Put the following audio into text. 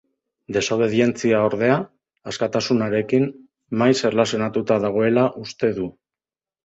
Desobedientzia, ordea, askatasunarekin maiz erlazionatuta dagoela uste du.